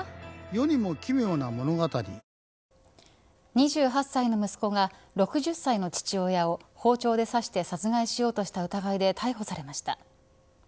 ２８歳の息子が６０歳の父親を包丁で刺して殺害しようとした疑いで逮捕されました。